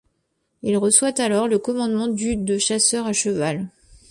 Il reçoit alors le commandement du de chasseurs à cheval.